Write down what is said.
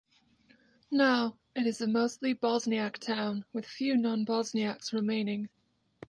Now, it is a mostly Bosniak town, with few non-Bosniaks remaining.